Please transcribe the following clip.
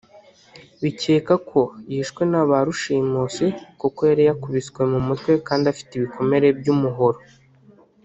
Bikekwa ko yishwe na ba rushimusi kuko yari yakubiswe mu mutwe kandi afite ibikomere by’umuhoro